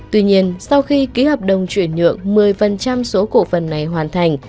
tuy nhiên sau khi ký hợp đồng chuyển nhượng một mươi số cổ phần này hoàn thành